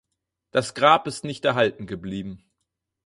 Das Grab ist nicht erhalten geblieben.